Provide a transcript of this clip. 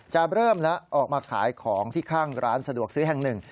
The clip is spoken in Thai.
เริ่มแล้วออกมาขายของที่ข้างร้านสะดวกซื้อแห่งหนึ่ง